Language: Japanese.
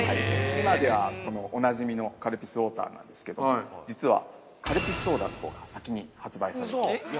今では、おなじみのカルピスウォーターなんですけど実はカルピスソーダのほうが先に発売されているんです。